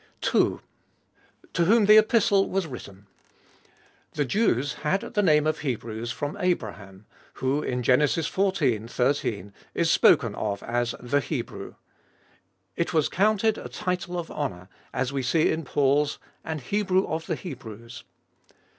Iboltest of Btl 21 2. TO WHOM THE EPISTLE WAS WRITTEN. The Jews had the name of Hebrews from Abraham, who, in Gen. xiv. 13, is spoken of as "the Hebrew." It was counted a title of honour, as we see in Paul's, " an Hebrew of the Hebrews."